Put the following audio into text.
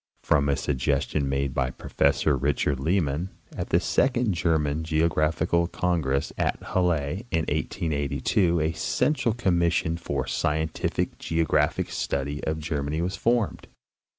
From a suggestion made by Professor Richard Lehmann at the second German Geographical Congress at Halle in 1882 a central commission for the scientific geographic study of Ger many was formed.